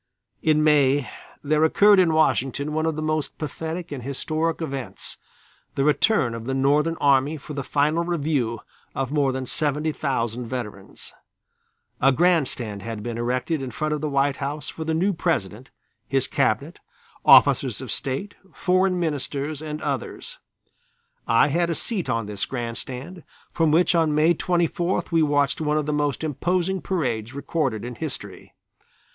In May there occurred in Washington one of the most pathetic and historic events, the return of the Northern Army for the final review of more than 70,000 veterans. A grandstand had been erected in front of the White House for the new President, his Cabinet, Officers of State, Foreign Ministers and others. I had a seat on this grandstand, from which on May 24th we watched one of the most imposing parades recorded in history.